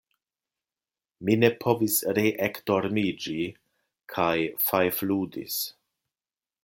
Mi ne povis reekdormiĝi kaj fajfludis.